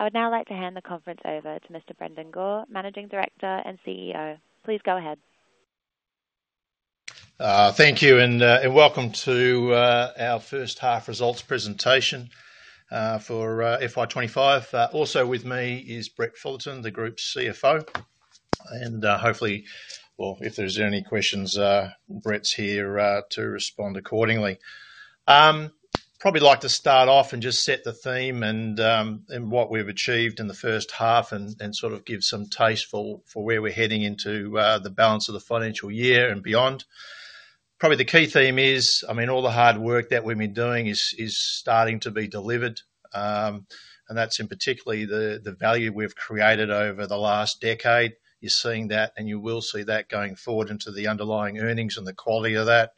I would now like to hand the conference over to Mr. Brendan Gore, Managing Director and CEO. Please go ahead. Thank you and welcome to our first half results presentation for FY 2025. Also with me is Brett Fullarton, the Group's CFO, and hopefully, well, if there's any questions, Brett's here to respond accordingly. Probably like to start off and just set the theme and what we've achieved in the first half and sort of give some taste for where we're heading into the balance of the financial year and beyond. Probably the key theme is, I mean, all the hard work that we've been doing is starting to be delivered, and that's in particular the value we've created over the last decade. You're seeing that, and you will see that going forward into the underlying earnings and the quality of that.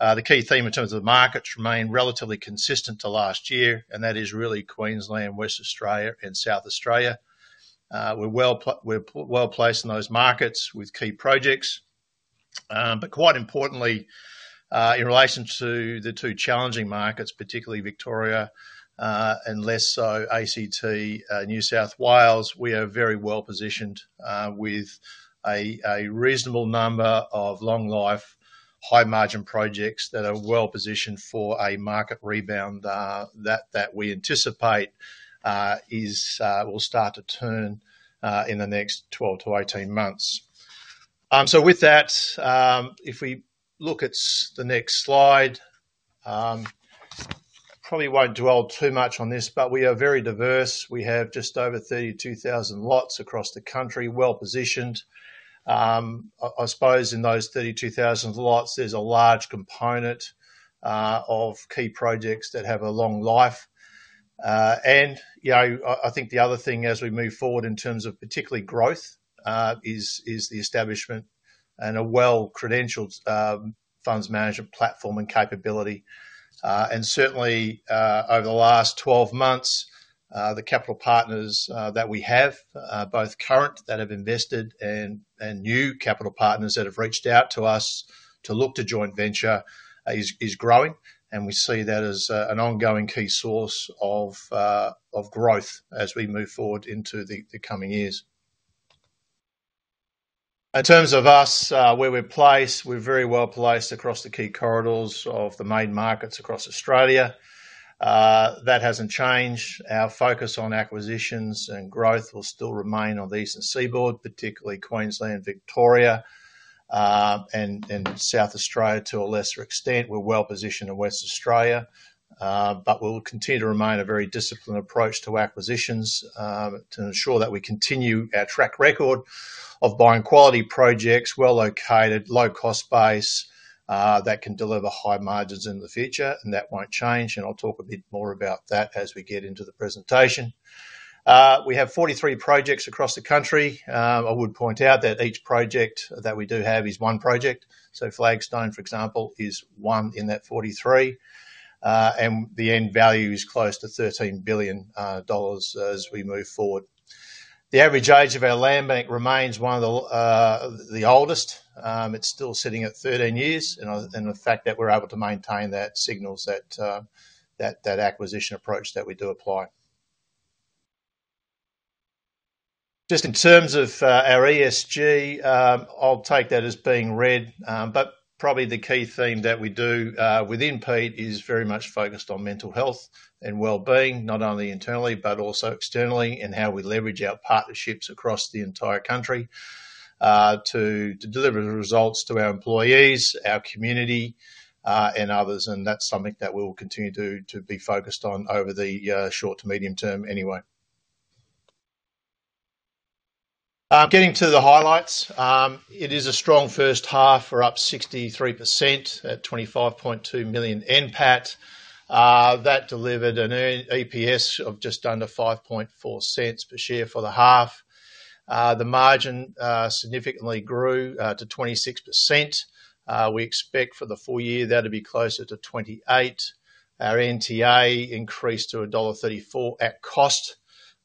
The key theme in terms of the markets remained relatively consistent to last year, and that is really Queensland, West Australia, and South Australia. We're well placed in those markets with key projects. But quite importantly, in relation to the two challenging markets, particularly Victoria and less so ACT, New South Wales, we are very well positioned with a reasonable number of long-life, high-margin projects that are well positioned for a market rebound that we anticipate will start to turn in the next 12 to 18 months. So with that, if we look at the next slide, probably won't dwell too much on this, but we are very diverse. We have just over 32,000 lots across the country, well positioned. I suppose in those 32,000 lots, there's a large component of key projects that have a long life. And I think the other thing as we move forward in terms of particularly growth is the establishment and a well-credentialed funds management platform and capability. Certainly, over the last 12 months, the capital partners that we have, both current that have invested and new capital partners that have reached out to us to look to joint venture, is growing, and we see that as an ongoing key source of growth as we move forward into the coming years. In terms of us, where we're placed, we're very well placed across the key corridors of the main markets across Australia. That hasn't changed. Our focus on acquisitions and growth will still remain on the eastern seaboard, particularly Queensland, Victoria, and South Australia to a lesser extent. We're well positioned in West Australia, but we'll continue to remain a very disciplined approach to acquisitions to ensure that we continue our track record of buying quality projects, well-located, low-cost base that can deliver high margins in the future, and that won't change. I'll talk a bit more about that as we get into the presentation. We have 43 projects across the country. I would point out that each project that we do have is one project. So Flagstone, for example, is one in that 43, and the end value is close to AUD 13 billion as we move forward. The average age of our land bank remains one of the oldest. It's still sitting at 13 years, and the fact that we're able to maintain that signals that acquisition approach that we do apply. Just in terms of our ESG, I'll take that as being red, but probably the key theme that we do within Peet is very much focused on mental health and well-being, not only internally but also externally and how we leverage our partnerships across the entire country to deliver the results to our employees, our community, and others. And that's something that we will continue to be focused on over the short to medium term anyway. Getting to the highlights, it is a strong first half for up 63% at 25.2 million NPAT. That delivered an EPS of just under 0.054 per share for the half. The margin significantly grew to 26%. We expect for the full year that'll be closer to 28%. Our NTA increased to dollar 1.34 at cost.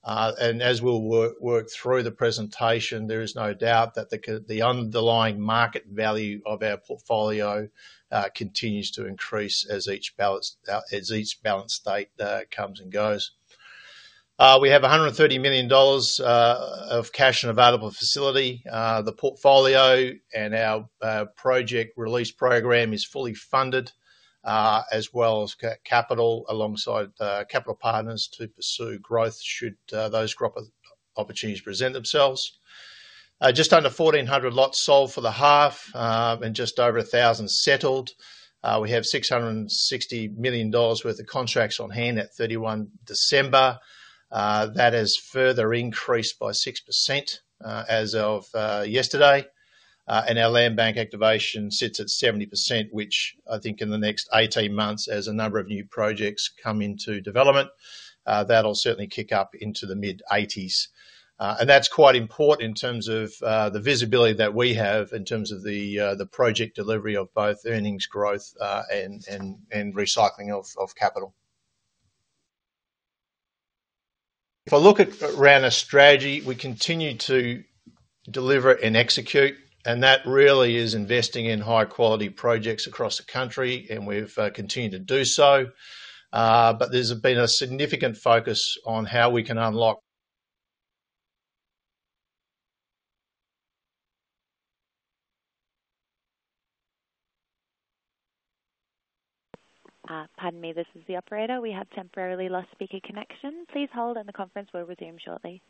And as we'll work through the presentation, there is no doubt that the underlying market value of our portfolio continues to increase as each balance date comes and goes. We have 130 million dollars of cash and available facility. The portfolio and our project release program is fully funded as well as capital alongside capital partners to pursue growth should those growth opportunities present themselves. Just under 1,400 lots sold for the half and just over 1,000 settled. We have 660 million dollars worth of contracts on hand at 31 December 2025. That has further increased by 6% as of yesterday. And our land bank activation sits at 70%, which I think in the next 18 months as a number of new projects come into development, that'll certainly kick up into the mid-80s. And that's quite important in terms of the visibility that we have in terms of the project delivery of both earnings, growth, and recycling of capital. If I look at RANA strategy, we continue to deliver and execute, and that really is investing in high-quality projects across the country, and we've continued to do so. But there's been a significant focus on how we can unlock. Pardon me, this is the operator. We have temporarily lost speaker connection. Please hold, and the conference will resume shortly.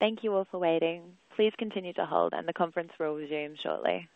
Thank you all for waiting. Please continue to hold, and the conference will resume shortly.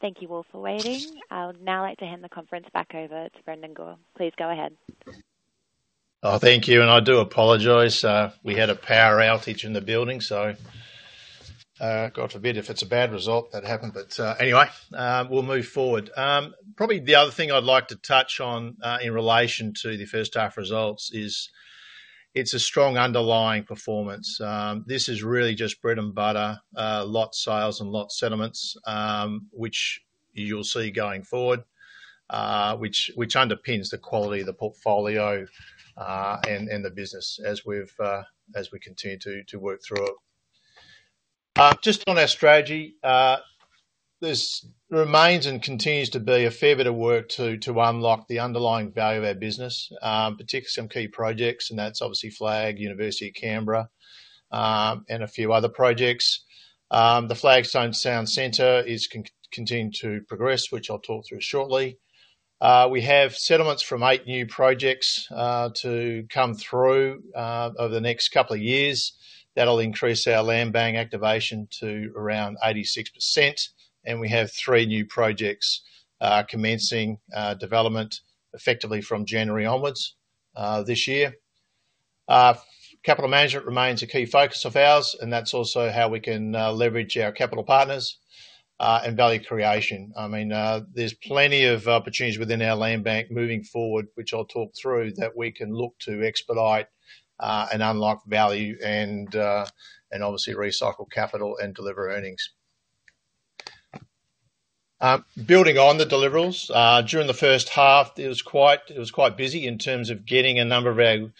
Thank you all for waiting. I would now like to hand the conference back over to Brendan Gore. Please go ahead. Thank you. I do apologize. We had a power outage in the building, so God forbid if it's a bad result that happened. But anyway, we'll move forward. Probably the other thing I'd like to touch on in relation to the first half results is it's a strong underlying performance. This is really just bread and butter, lot sales and lot settlements, which you'll see going forward, which underpins the quality of the portfolio and the business as we continue to work through it. Just on our strategy, there remains and continues to be a fair bit of work to unlock the underlying value of our business, particularly some key projects, and that's obviously FLAG, University of Canberra, and a few other projects. The Flagstone City Town Centre is continuing to progress, which I'll talk through shortly. We have settlements from eight new projects to come through over the next couple of years. That'll increase our land bank activation to around 86%, and we have three new projects commencing development effectively from January onwards this year. Capital management remains a key focus of ours, and that's also how we can leverage our capital partners and value creation. I mean, there's plenty of opportunities within our land bank moving forward, which I'll talk through, that we can look to expedite and unlock value and obviously recycle capital and deliver earnings. Building on the deliverables, during the first half, it was quite busy in terms of getting a number of our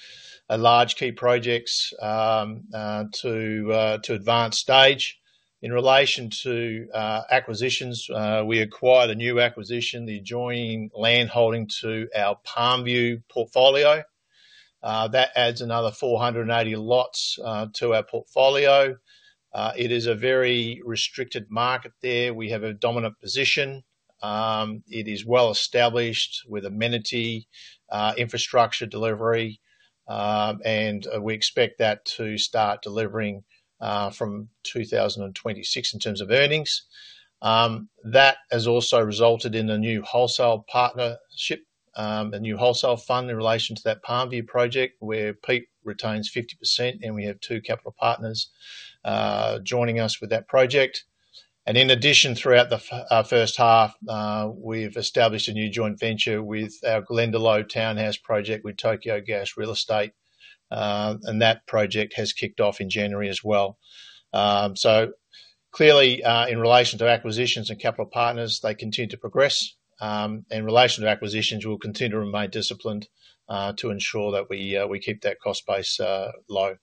large key projects to advanced stage. In relation to acquisitions, we acquired a new acquisition, the adjoining land holding to our Palmview portfolio. That adds another 480 lots to our portfolio. It is a very restricted market there. We have a dominant position. It is well established with amenity infrastructure delivery, and we expect that to start delivering from 2026 in terms of earnings. That has also resulted in a new wholesale partnership, a new wholesale fund in relation to that Palmview project where Peet retains 50%, and we have two capital partners joining us with that project. And in addition, throughout the first half, we've established a new joint venture with our Glendalough Townhouse project with Tokyo Gas Real Estate, and that project has kicked off in January as well. So clearly, in relation to acquisitions and capital partners, they continue to progress. In relation to acquisitions, we'll continue to remain disciplined to ensure that we keep that cost base low.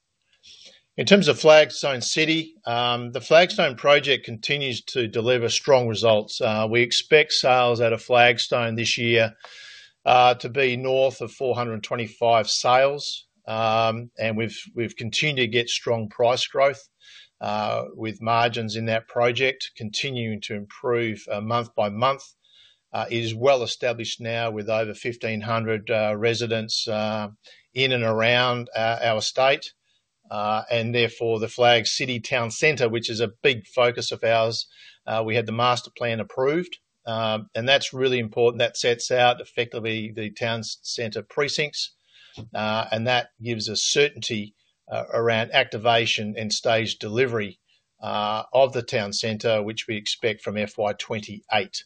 In terms of Flagstone City, the Flagstone project continues to deliver strong results. We expect sales at Flagstone this year to be north of 425 sales, and we've continued to get strong price growth with margins in that project continuing to improve month by month. It is well established now with over 1,500 residents in and around our estate, and therefore the Flagstone City Town Centre, which is a big focus of ours. We had the master plan approved, and that's really important. That sets out effectively the town centre precincts, and that gives us certainty around activation and stage delivery of the town centre, which we expect from FY 2028.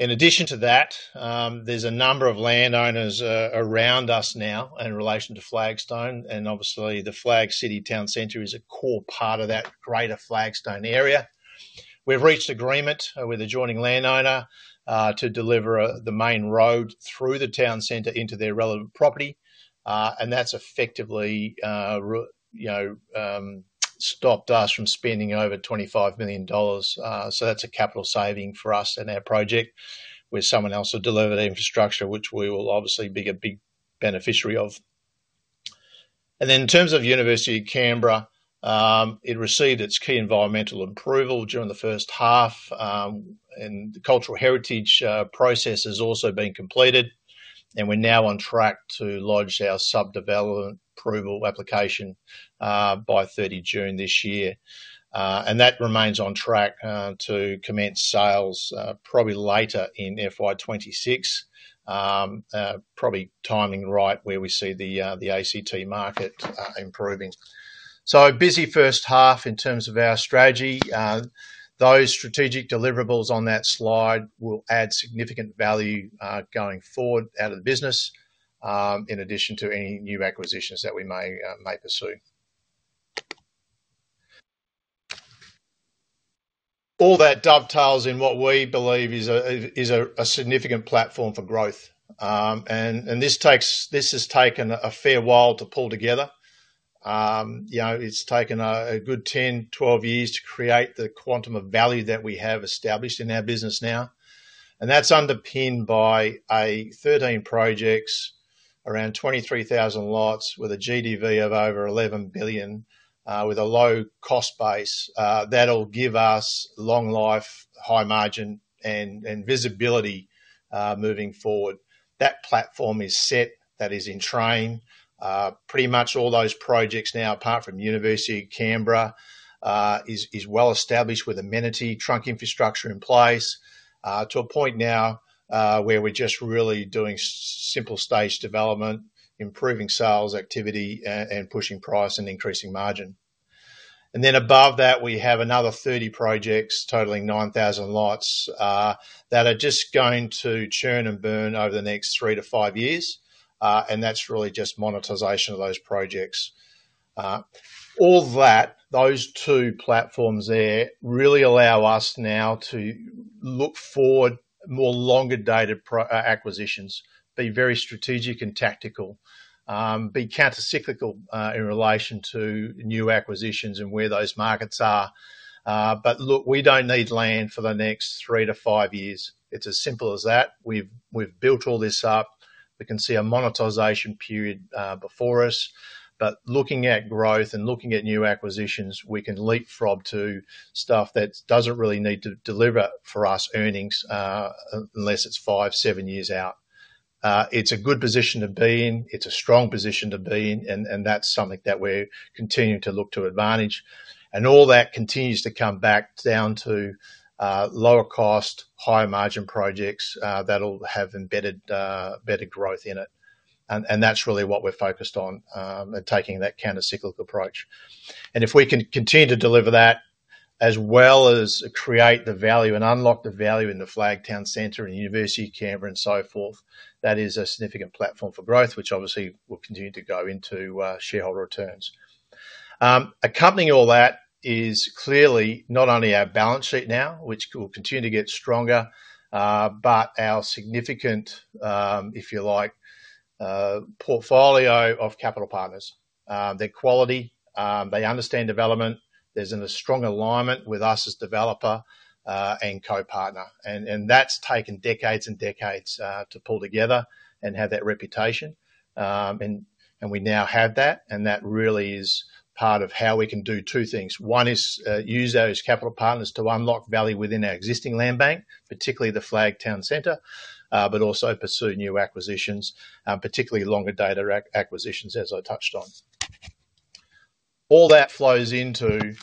In addition to that, there's a number of landowners around us now in relation to Flagstone, and obviously, the Flagstone City Town Centre is a core part of that greater Flagstone area. We've reached agreement with the adjoining landowner to deliver the main road through the town centre into their relevant property, and that's effectively stopped us from spending over 25 million dollars. That's a capital saving for us and our project with someone else to deliver the infrastructure, which we will obviously be a big beneficiary of. Then in terms of University of Canberra, it received its key environmental approval during the first half, and the cultural heritage process has also been completed, and we're now on track to lodge our sub-development approval application by 30 June this year. That remains on track to commence sales probably later in FY 2026, probably timing right where we see the ACT market improving. Busy first half in terms of our strategy. Those strategic deliverables on that slide will add significant value going forward out of the business in addition to any new acquisitions that we may pursue. All that dovetails in what we believe is a significant platform for growth, and this has taken a fair while to pull together. It's taken a good 10, 12 years to create the quantum of value that we have established in our business now, and that's underpinned by 13 projects, around 23,000 lots with a GDV of over 11 billion, with a low cost base. That'll give us long life, high margin, and visibility moving forward. That platform is set. That is in train. Pretty much all those projects now, apart from University of Canberra, are well established with amenity trunk infrastructure in place to a point now where we're just really doing simple stage development, improving sales activity, and pushing price and increasing margin, and then above that, we have another 30 projects totaling 9,000 lots that are just going to churn and burn over the next three to five years, and that's really just monetization of those projects. All that, those two platforms there really allow us now to look forward to more longer-dated acquisitions, be very strategic and tactical, be countercyclical in relation to new acquisitions and where those markets are, but look, we don't need land for the next three to five years. It's as simple as that. We've built all this up. We can see a monetization period before us, but looking at growth and looking at new acquisitions, we can leapfrog to stuff that doesn't really need to deliver for us earnings unless it's five, seven years out. It's a good position to be in. It's a strong position to be in, and that's something that we're continuing to look to advantage. And all that continues to come back down to lower cost, higher margin projects that'll have embedded better growth in it. And that's really what we're focused on and taking that countercyclical approach. And if we can continue to deliver that as well as create the value and unlock the value in the Flagstone Center and University of Canberra and so forth, that is a significant platform for growth, which obviously will continue to go into shareholder returns. Accompanying all that is clearly not only our balance sheet now, which will continue to get stronger, but our significant, if you like, portfolio of capital partners. They're quality. They understand development. There's a strong alignment with us as developer and co-partner, and that's taken decades and decades to pull together and have that reputation, and we now have that, and that really is part of how we can do two things. One is use those capital partners to unlock value within our existing land bank, particularly the Flagstone City Town Centre, but also pursue new acquisitions, particularly longer-dated acquisitions, as I touched on. All that flows into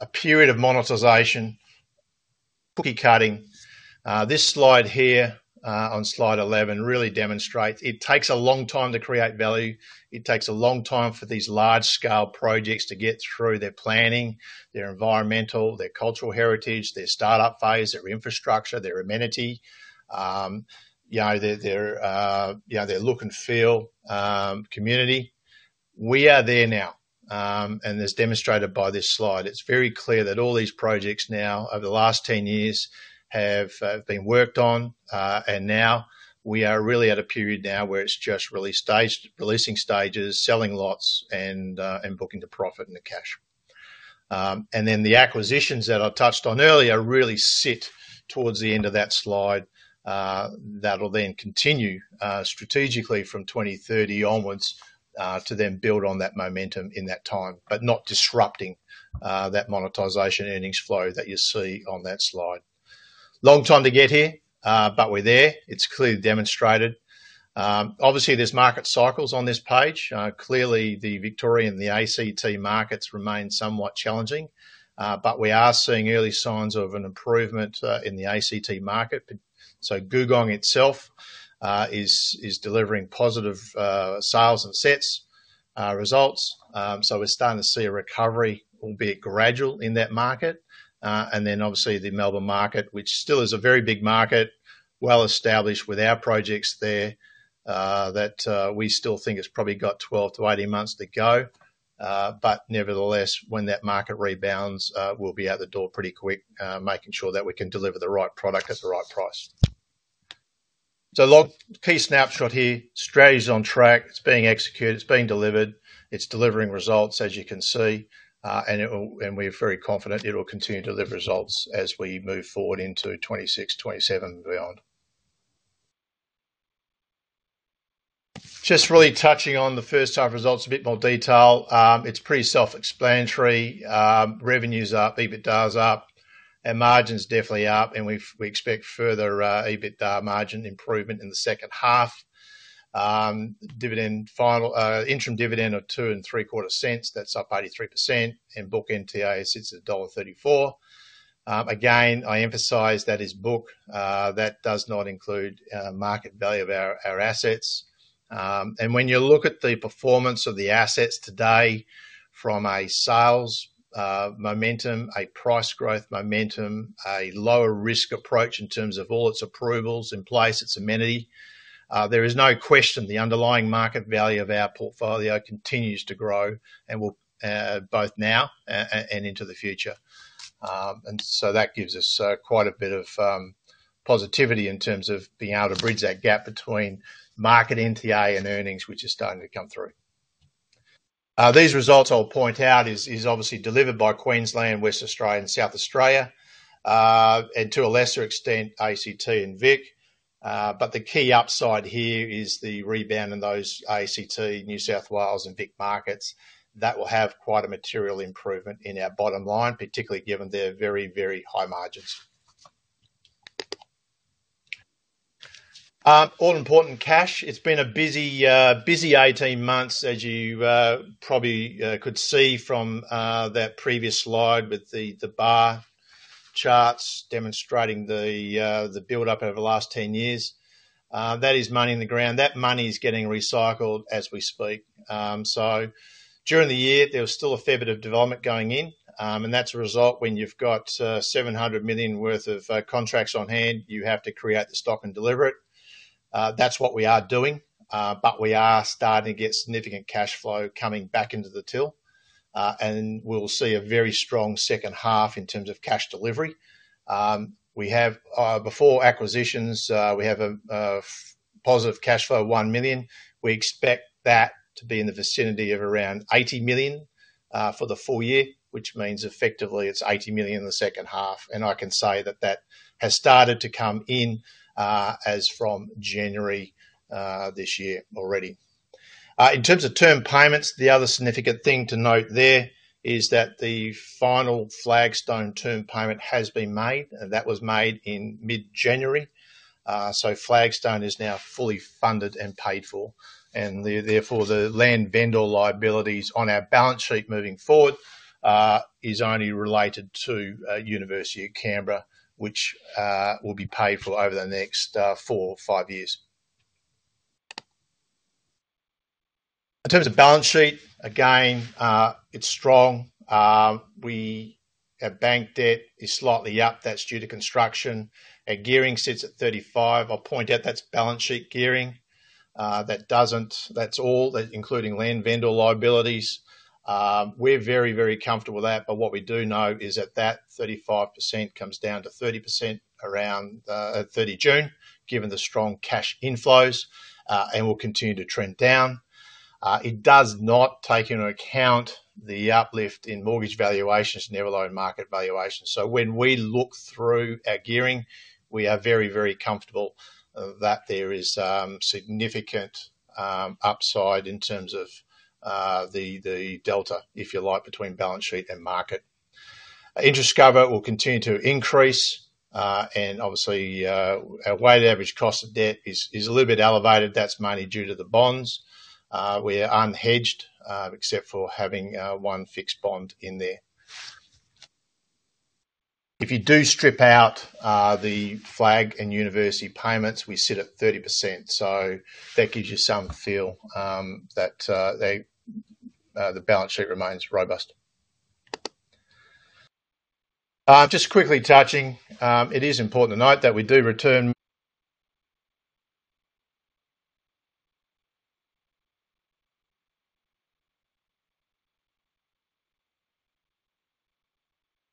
a period of monetization, cookie cutting. This slide here on slide 11 really demonstrates it takes a long time to create value. It takes a long time for these large-scale projects to get through their planning, their environmental, their cultural heritage, their startup phase, their infrastructure, their amenity, their look and feel community. We are there now, and as demonstrated by this slide, it's very clear that all these projects now over the last 10 years have been worked on, and now we are really at a period now where it's just releasing stages, selling lots, and booking the profit and the cash, and then the acquisitions that I touched on earlier really sit towards the end of that slide that'll then continue strategically from 2030 onwards to then build on that momentum in that time, but not disrupting that monetization earnings flow that you see on that slide. Long time to get here, but we're there. It's clearly demonstrated. Obviously, there's market cycles on this page. Clearly, the Victorian and the ACT markets remain somewhat challenging, but we are seeing early signs of an improvement in the ACT market, so Googong itself is delivering positive sales and settlements results, so we're starting to see a recovery, albeit gradual, in that market, and then obviously, the Melbourne market, which still is a very big market, well established with our projects there, that we still think has probably got 12-18 months to go, but nevertheless, when that market rebounds, we'll be out the door pretty quick, making sure that we can deliver the right product at the right price, so key snapshot here. Strategy's on track. It's being executed. It's being delivered. It's delivering results, as you can see, and we're very confident it'll continue to deliver results as we move forward into 2026, 2027, and beyond. Just really touching on the first half results in a bit more detail. It's pretty self-explanatory. Revenues up, EBITDA's up, and margins definitely up, and we expect further EBITDA margin improvement in the second half. Interim dividend of 0.023, that's up 83%, and book NTA sits at dollar 1.34. Again, I emphasize that is book. That does not include market value of our assets, and when you look at the performance of the assets today from a sales momentum, a price growth momentum, a lower risk approach in terms of all its approvals in place, its amenity, there is no question the underlying market value of our portfolio continues to grow and will both now and into the future. And so that gives us quite a bit of positivity in terms of being able to bridge that gap between market NTA and earnings, which is starting to come through. These results I'll point out are obviously delivered by Queensland, West Australia, and South Australia, and to a lesser extent, ACT and Vic. But the key upside here is the rebound in those ACT, New South Wales, and Vic markets that will have quite a material improvement in our bottom line, particularly given their very, very high margins. All important cash. It's been a busy 18 months, as you probably could see from that previous slide with the bar charts demonstrating the build-up over the last 10 years. That is money in the ground. That money is getting recycled as we speak. During the year, there was still a fair bit of development going in, and that's a result when you've got 700 million worth of contracts on hand. You have to create the stock and deliver it. That's what we are doing, but we are starting to get significant cash flow coming back into the till, and we'll see a very strong second half in terms of cash delivery. Before acquisitions, we have a positive cash flow of one million. We expect that to be in the vicinity of around 80 million for the full year, which means effectively it's 80 million in the second half. And I can say that that has started to come in as from January this year already. In terms of term payments, the other significant thing to note there is that the final Flagstone term payment has been made, and that was made in mid-January. So Flagstone is now fully funded and paid for, and therefore the land vendor liabilities on our balance sheet moving forward are only related to University of Canberra, which will be paid for over the next four or five years. In terms of balance sheet, again, it's strong. Our bank debt is slightly up. That's due to construction. Our gearing sits at 35. I'll point out that's balance sheet gearing. That's all, including land vendor liabilities. We're very, very comfortable with that, but what we do know is that that 35% comes down to 30% around 30 June, given the strong cash inflows, and will continue to trend down. It does not take into account the uplift in mortgage valuations. Nevertheless, market valuations. So when we look through our gearing, we are very, very comfortable that there is significant upside in terms of the delta, if you like, between balance sheet and market. Interest cover will continue to increase, and obviously, our weighted average cost of debt is a little bit elevated. That's mainly due to the bonds. We are unhedged, except for having one fixed bond in there. If you do strip out the Flagstone and University of Canberra payments, we sit at 30%. So that gives you some feel that the balance sheet remains robust. Just quickly touching, it is important to note that we do return.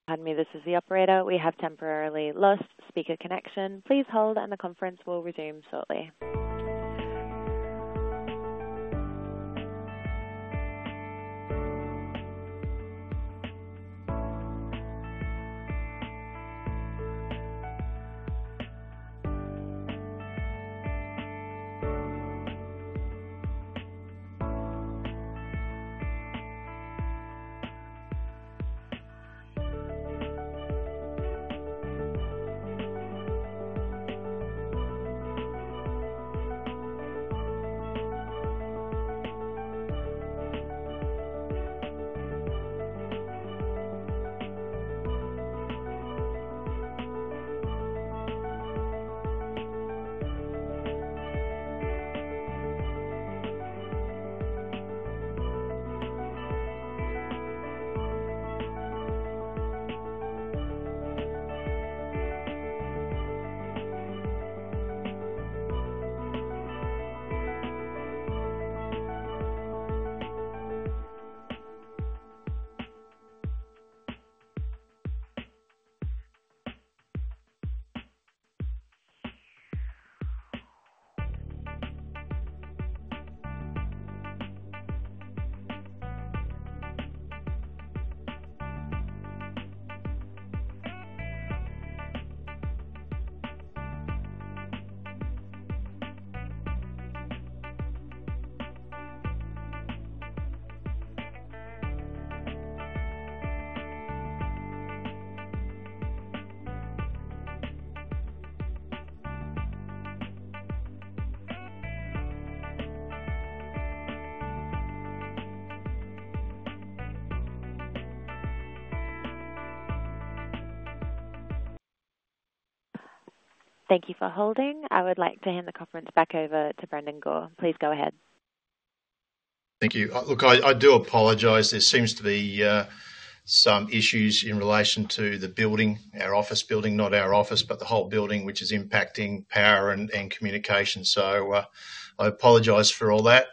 Pardon me, this is the operator. We have temporarily lost speaker connection. Please hold, and the conference will resume shortly. Thank you for holding. I would like to hand the conference back over to Brendan Gore. Please go ahead. Thank you. Look, I do apologize. There seems to be some issues in relation to the building, our office building, not our office, but the whole building, which is impacting power and communication. So I apologize for all that.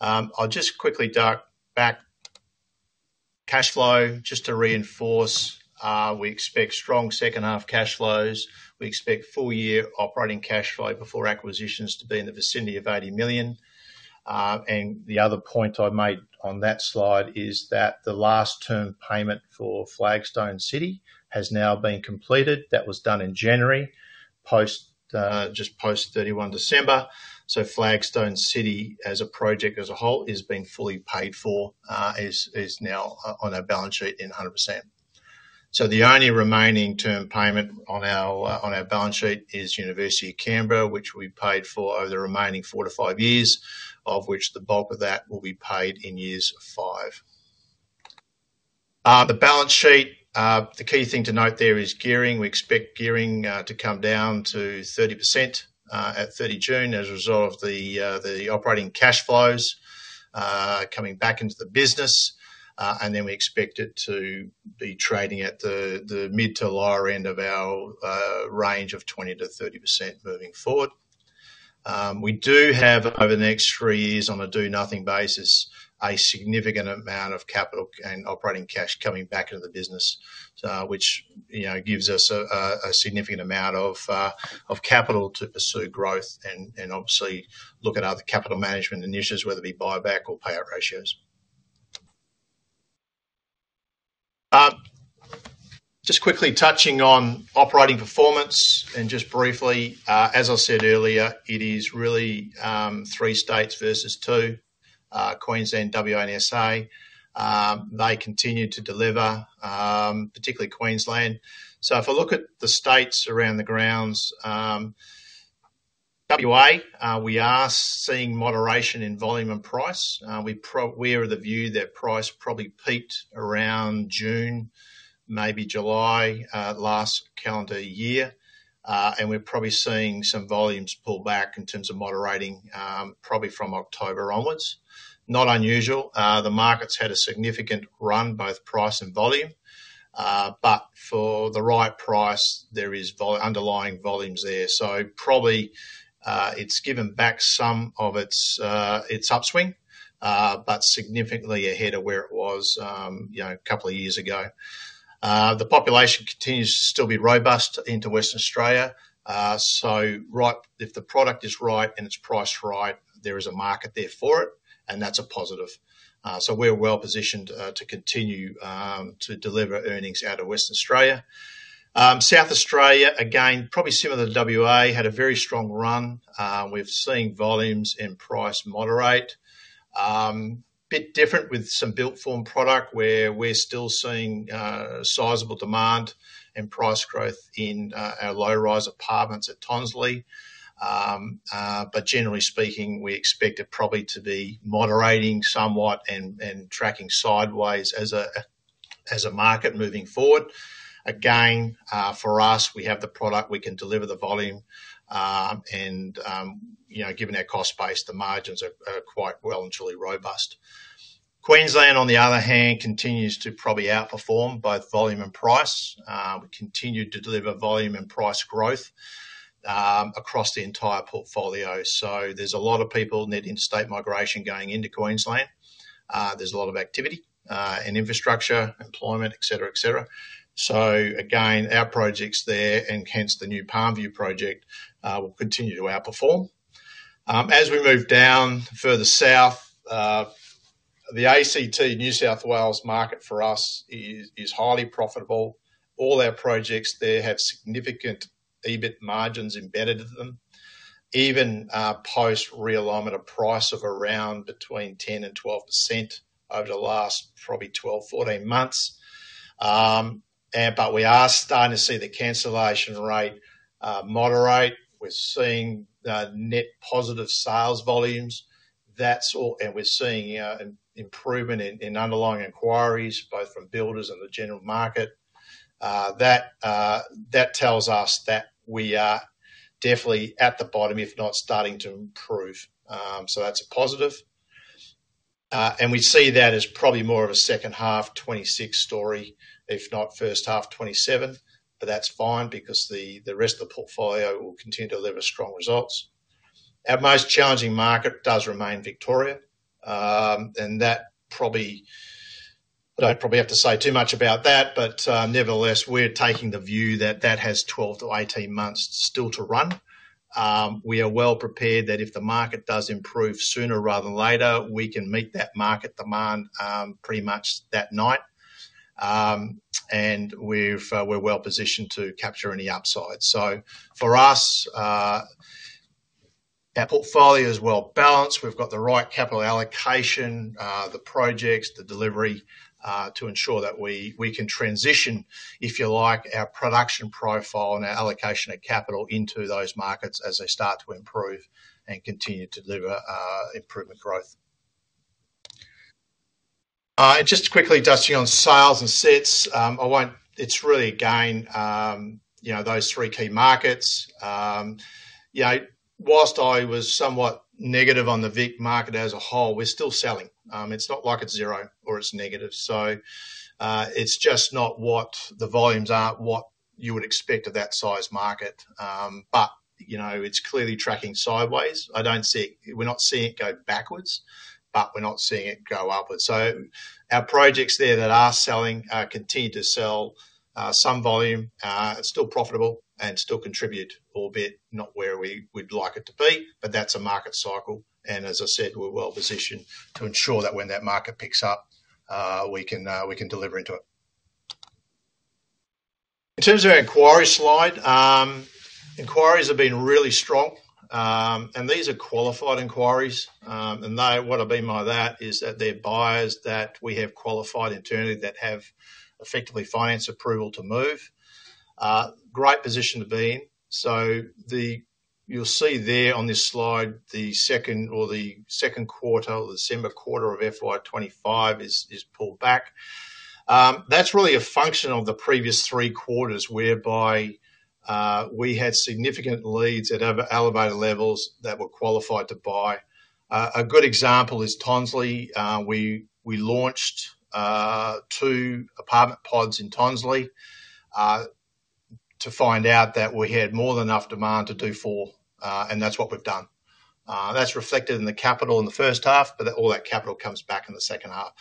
I'll just quickly duck back cash flow just to reinforce. We expect strong second half cash flows. We expect full year operating cash flow before acquisitions to be in the vicinity of 80 million. And the other point I made on that slide is that the last term payment for Flagstone City has now been completed. That was done in January, just post-31 December 2025. So, Flagstone City, as a project as a whole, has been fully paid for, is now on our balance sheet in 100%. The only remaining term payment on our balance sheet is University of Canberra, which we paid for over the remaining four to five years, of which the bulk of that will be paid in years five. The balance sheet, the key thing to note there is gearing. We expect gearing to come down to 30% at 30 June as a result of the operating cash flows coming back into the business. Then we expect it to be trading at the mid to lower end of our range of 20%-30% moving forward. We do have, over the next three years, on a do-nothing basis, a significant amount of capital and operating cash coming back into the business, which gives us a significant amount of capital to pursue growth and obviously look at other capital management initiatives, whether it be buyback or payout ratios. Just quickly touching on operating performance and just briefly, as I said earlier, it is really three states versus two, Queensland, WA and SA. They continue to deliver, particularly Queensland. So if I look at the states around the grounds, WA, we are seeing moderation in volume and price. We are of the view that price probably peaked around June, maybe July, last calendar year. And we're probably seeing some volumes pull back in terms of moderating, probably from October onwards. Not unusual. The markets had a significant run, both price and volume. But for the right price, there is underlying volumes there. So probably it's given back some of its upswing, but significantly ahead of where it was a couple of years ago. The population continues to still be robust into Western Australia. So if the product is right and it's priced right, there is a market there for it, and that's a positive. So we're well positioned to continue to deliver earnings out of Western Australia. South Australia, again, probably similar to WA, had a very strong run. We've seen volumes and price moderate. Bit different with some built-form product where we're still seeing sizable demand and price growth in our low-rise apartments at Tonsley. But generally speaking, we expect it probably to be moderating somewhat and tracking sideways as a market moving forward. Again, for us, we have the product. We can deliver the volume. And given our cost base, the margins are quite well and truly robust. Queensland, on the other hand, continues to probably outperform both volume and price. We continue to deliver volume and price growth across the entire portfolio. There's a lot of people net interstate migration going into Queensland. There's a lot of activity and infrastructure, employment, etc., etc. Again, our projects there and hence the new Palm View project will continue to outperform. As we move down further south, the ACT New South Wales market for us is highly profitable. All our projects there have significant EBIT margins embedded in them, even post-realignment of price of around between 10% and 12% over the last probably 12-14 months. But we are starting to see the cancellation rate moderate. We're seeing net positive sales volumes, and we're seeing improvement in underlying inquiries, both from builders and the general market. That tells us that we are definitely at the bottom, if not starting to improve. That's a positive. We see that as probably more of a second half 2026 story, if not first half 2027. But that's fine because the rest of the portfolio will continue to deliver strong results. Our most challenging market does remain Victoria. I don't probably have to say too much about that, but nevertheless, we're taking the view that that has 12-18 months still to run. We are well prepared that if the market does improve sooner rather than later, we can meet that market demand pretty much that night. We're well positioned to capture any upside. For us, our portfolio is well balanced. We've got the right capital allocation, the projects, the delivery to ensure that we can transition, if you like, our production profile and our allocation of capital into those markets as they start to improve and continue to deliver improvement growth. And just quickly touching on sales and assets, it's really again those three key markets. While I was somewhat negative on the VIC market as a whole, we're still selling. It's not like it's zero or it's negative. So it's just not what the volumes are, what you would expect of that size market. But it's clearly tracking sideways. We're not seeing it go backwards, but we're not seeing it go upwards. So our projects there that are selling continue to sell some volume, still profitable, and still contribute a little bit, not where we'd like it to be, but that's a market cycle. And as I said, we're well positioned to ensure that when that market picks up, we can deliver into it. In terms of our inquiry slide, inquiries have been really strong. And these are qualified inquiries. What I mean by that is that they're buyers that we have qualified internally that have effectively financed approval to move. Great position to be in. You'll see there on this slide, the second quarter or December quarter of FY 2025 is pulled back. That's really a function of the previous three quarters whereby we had significant leads at elevated levels that were qualified to buy. A good example is Tonsley. We launched two apartment pods in Tonsley to find out that we had more than enough demand to do full, and that's what we've done. That's reflected in the capital in the first half, but all that capital comes back in the second half.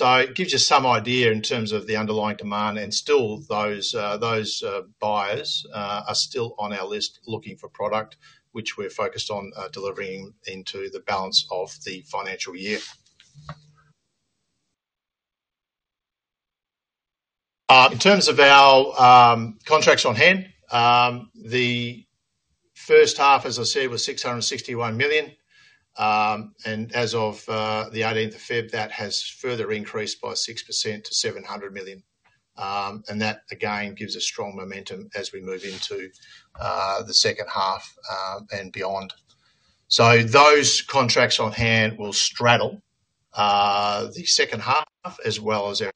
It gives you some idea in terms of the underlying demand. Still, those buyers are still on our list looking for product, which we're focused on delivering into the balance of the financial year. In terms of our contracts on hand, the first half, as I said, was 661 million. And as of the 18th of February, that has further increased by 6% to 700 million. And that, again, gives a strong momentum as we move into the second half and beyond. So those contracts on hand will straddle the second half as well as our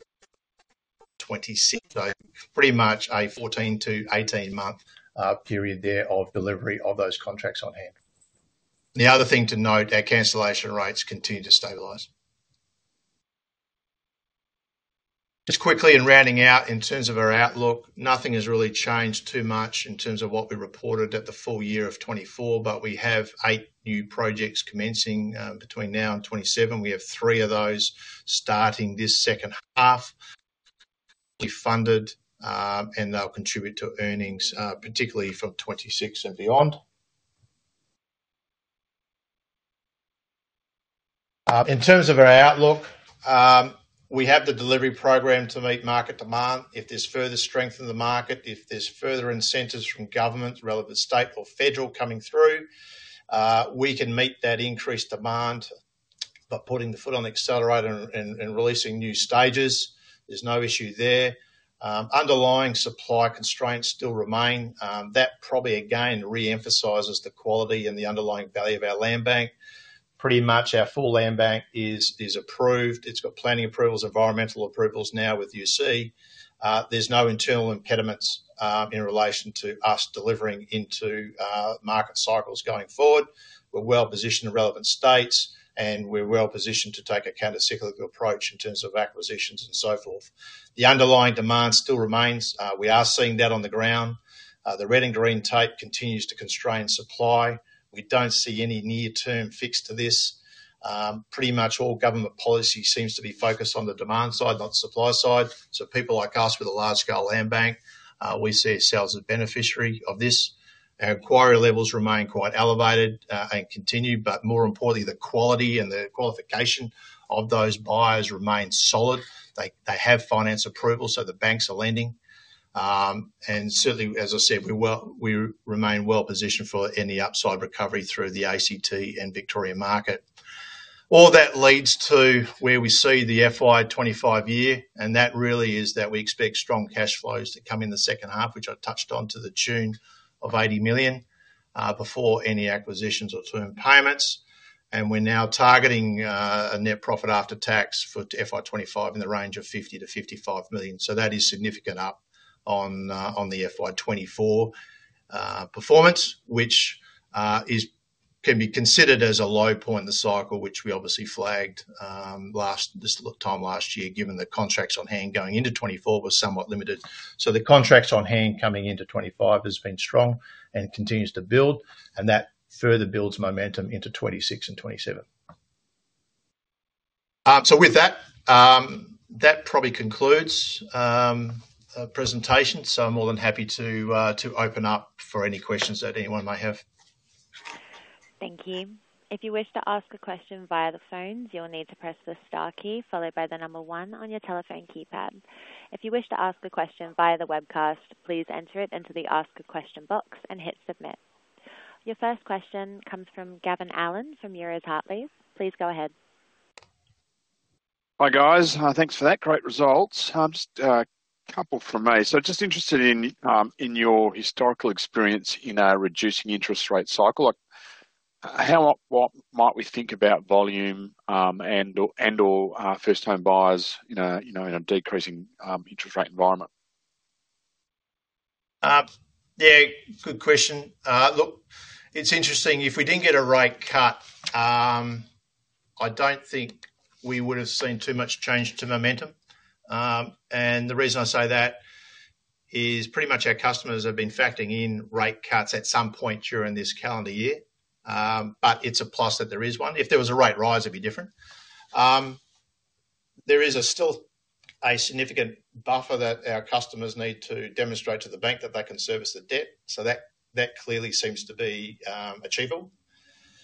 2026, so pretty much a 14-18-month period there of delivery of those contracts on hand. The other thing to note, our cancellation rates continue to stabilize. Just quickly in rounding out in terms of our outlook, nothing has really changed too much in terms of what we reported at the full year of 2024, but we have eight new projects commencing between now and 2027. We have three of those starting this second half, funded, and they'll contribute to earnings, particularly from 2026 and beyond. In terms of our outlook, we have the delivery program to meet market demand. If there's further strength in the market, if there's further incentives from government, relevant state or federal coming through, we can meet that increased demand by putting the foot on the accelerator and releasing new stages. There's no issue there. Underlying supply constraints still remain. That probably, again, re-emphasizes the quality and the underlying value of our land bank. Pretty much our full land bank is approved. It's got planning approvals, environmental approvals now with UC. There's no internal impediments in relation to us delivering into market cycles going forward. We're well positioned in relevant states, and we're well positioned to take a countercyclical approach in terms of acquisitions and so forth. The underlying demand still remains. We are seeing that on the ground. The red and green tape continues to constrain supply. We don't see any near-term fix to this. Pretty much all government policy seems to be focused on the demand side, not the supply side. So people like us with a large-scale land bank, we see ourselves as beneficiary of this. Our inquiry levels remain quite elevated and continue, but more importantly, the quality and the qualification of those buyers remain solid. They have finance approval, so the banks are lending. And certainly, as I said, we remain well positioned for any upside recovery through the ACT and Victoria market. All that leads to where we see the FY 2025 year, and that really is that we expect strong cash flows to come in the second half, which I touched on to the tune of 80 million before any acquisitions or term payments, and we're now targeting a net profit after tax for FY 2025 in the range of 50 million-55 million. So that is significant up on the FY 2024 performance, which can be considered as a low point in the cycle, which we obviously flagged this time last year given the contracts on hand going into 2024 was somewhat limited. So the contracts on hand coming into 2025 has been strong and continues to build, and that further builds momentum into 2026 and 2027. So with that, that probably concludes the presentation. So I'm more than happy to open up for any questions that anyone might have. Thank you. If you wish to ask a question via the phone, you'll need to press the star key followed by the number one on your telephone keypad. If you wish to ask a question via the webcast, please enter it into the ask a question box and hit submit. Your first question comes from Gavin Allen from Euroz Hartleys. Please go ahead. Hi guys. Thanks for that. Great results. Just a couple from me. So just interested in your historical experience in our reducing interest rate cycle. How might we think about volume and/or first-time buyers in a decreasing interest rate environment? Yeah, good question. Look, it's interesting. If we didn't get a rate cut, I don't think we would have seen too much change to momentum. The reason I say that is pretty much our customers have been factoring in rate cuts at some point during this calendar year, but it's a plus that there is one. If there was a rate rise, it'd be different. There is still a significant buffer that our customers need to demonstrate to the bank that they can service the debt. That clearly seems to be achievable.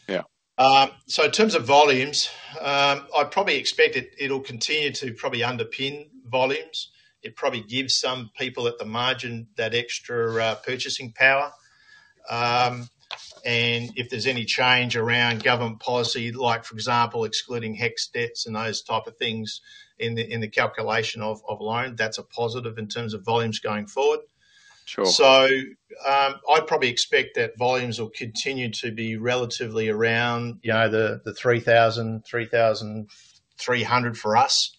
Yeah. In terms of volumes, I probably expect it'll continue to probably underpin volumes. It probably gives some people at the margin that extra purchasing power. If there's any change around government policy, like for example, excluding HECS debts and those type of things in the calculation of loan, that's a positive in terms of volumes going forward. I'd probably expect that volumes will continue to be relatively around the 3,000-3,300 for us.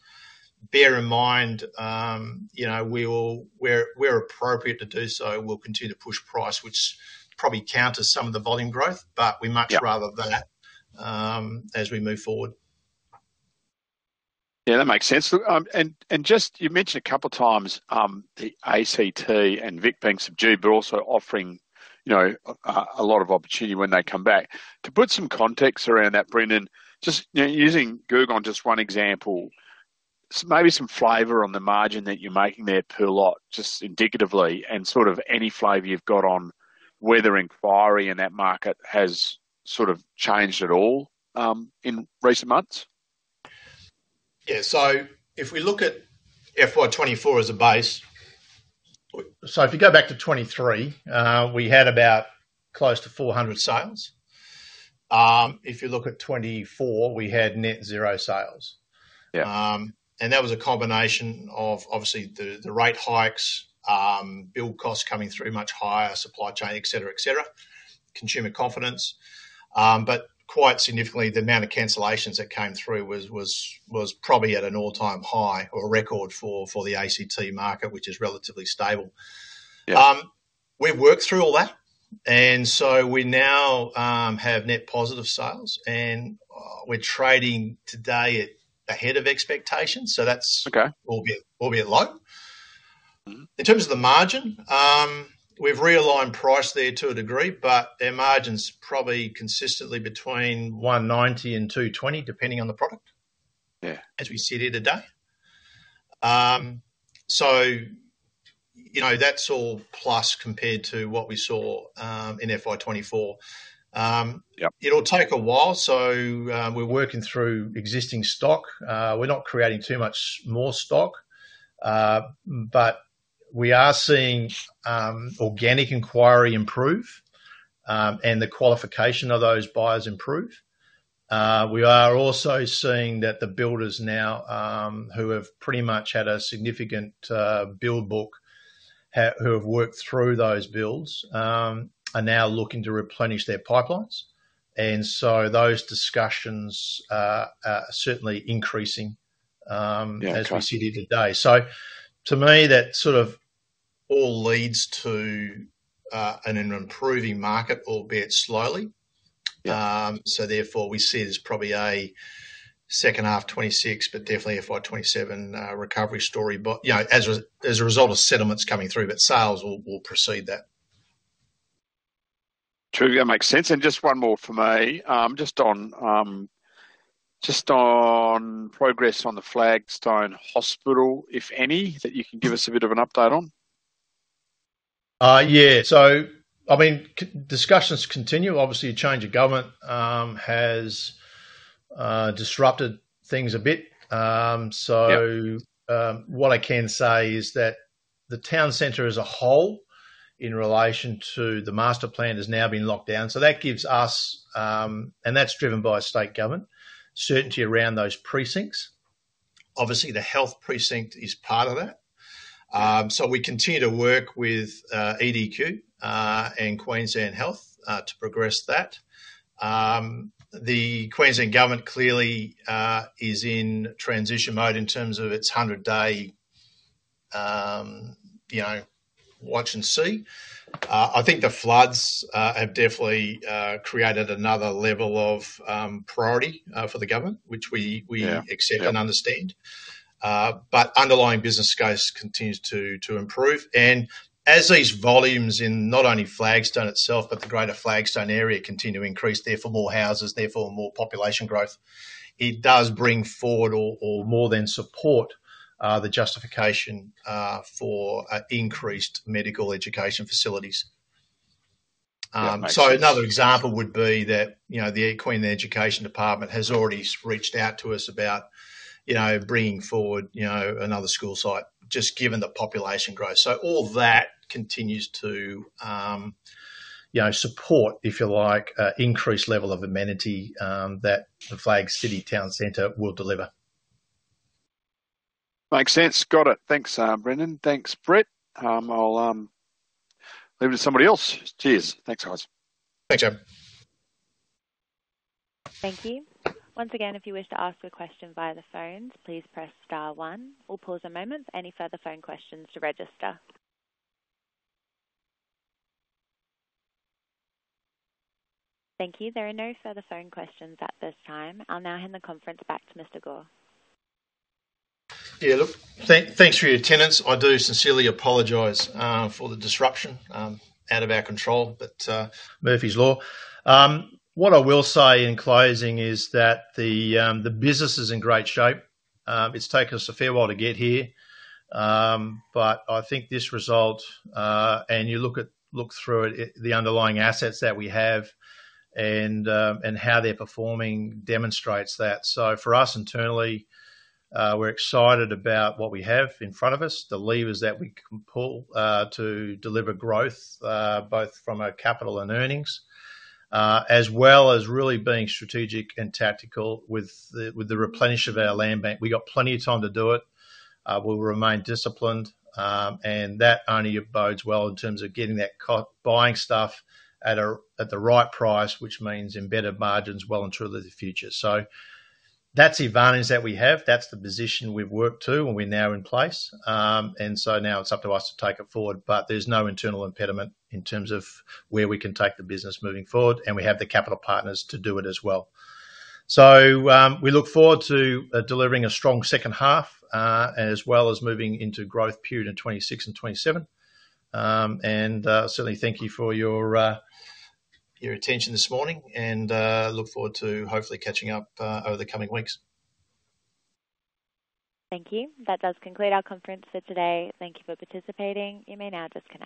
Bear in mind, we're appropriate to do so. We'll continue to push price, which probably counters some of the volume growth, but we much rather that as we move forward. Yeah, that makes sense. And just you mentioned a couple of times the ACT and VIC markets have slowed, but also offering a lot of opportunity when they come back. To put some context around that, Brendan, just using Googong as just one example, maybe some flavour on the margin that you're making there, per lot, just indicatively, and sort of any flavour you've got on whether inquiry in that market has sort of changed at all in recent months? Yeah. So if we look at FY 2024 as a base, so if you go back to 2023, we had about close to 400 sales. If you look at 2024, we had net zero sales. Yeah. That was a combination of, obviously, the rate hikes, build costs coming through much higher, supply chain, etc., etc., consumer confidence. But quite significantly, the amount of cancellations that came through was probably at an all-time high or record for the ACT market, which is relatively stable. We have worked through all that. So we now have net positive sales, and we are trading today ahead of expectations, so that is albeit low. In terms of the margin, we have realigned price there to a degree, but our margin is probably consistently between 190 and 220, depending on the product, as we see it today. That is all plus compared to what we saw in FY 2024. It will take a while. We are working through existing stock. We are not creating too much more stock, but we are seeing organic inquiry improve and the qualification of those buyers improve. We are also seeing that the builders now who have pretty much had a significant build book, who have worked through those builds, are now looking to replenish their pipelines. And so those discussions are certainly increasing as we see it today. So to me, that sort of all leads to an improving market, albeit slowly. So therefore, we see there's probably a second half 2026, but definitely FY 2027 recovery story as a result of settlements coming through, but sales will precede that. True. That makes sense. And just one more for me, just on progress on the Flagstone Hospital, if any, that you can give us a bit of an update on. Yeah. So I mean, discussions continue. Obviously, a change of government has disrupted things a bit. So what I can say is that the town centre as a whole in relation to the master plan has now been locked down. So that gives us, and that's driven by state government, certainty around those precincts. Obviously, the health precinct is part of that. So we continue to work with EDQ and Queensland Health to progress that. The Queensland government clearly is in transition mode in terms of its 100-day wait and see. I think the floods have definitely created another level of priority for the government, which we accept and understand. But underlying business continues to improve. And as these volumes in not only Flagstone itself, but the greater Flagstone area continue to increase, therefore more houses, therefore more population growth, it does bring forward or more than support the justification for increased medical education facilities. So another example would be that the Queensland Department of Education has already reached out to us about bringing forward another school site, just given the population growth. So all that continues to support, if you like, an increased level of amenity that the Flagstone City Town Centre will deliver. Makes sense. Got it. Thanks, Brendan. Thanks, Brett. I'll leave it to somebody else. Cheers. Thanks, guys. Thanks, Gavin. Thank you. Once again, if you wish to ask a question via the phone, please press star one. We'll pause a moment for any further phone questions to register. Thank you. There are no further phone questions at this time. I'll now hand the conference back to Mr. Gore. Yeah. Look, thanks for your attendance. I do sincerely apologize for the disruption out of our control, but Murphy's Law. What I will say in closing is that the business is in great shape. It's taken us a fair while to get here, but I think this result, and you look through it, the underlying assets that we have and how they're performing demonstrates that. So for us internally, we're excited about what we have in front of us, the levers that we can pull to deliver growth, both from our capital and earnings, as well as really being strategic and tactical with the replenish of our land bank. We got plenty of time to do it. We'll remain disciplined, and that only bodes well in terms of getting that cut, buying stuff at the right price, which means embedded margins well into the future. So that's the advantage that we have. That's the position we've worked to, and we're now in place. And so now it's up to us to take it forward, but there's no internal impediment in terms of where we can take the business moving forward, and we have the capital partners to do it as well. So we look forward to delivering a strong second half as well as moving into growth period in 2026 and 2027. And certainly, thank you for your attention this morning, and look forward to hopefully catching up over the coming weeks. Thank you. That does conclude our conference for today. Thank you for participating. You may now just cut.